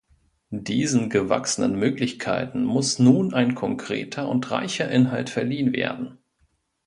Diesen gewachsenen Möglichkeiten muss nun ein konkreter und reicher Inhalt verliehen werden.